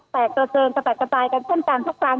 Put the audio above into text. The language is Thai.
แตกตัวเจินแตกตายกันขึ้นกันทุกครั้ง